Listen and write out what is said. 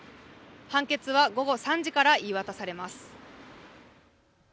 判決は午後３時から言い渡されます。